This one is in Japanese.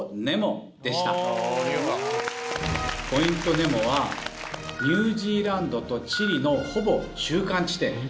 ・ネモはニュージーランドとチリのほぼ中間地点。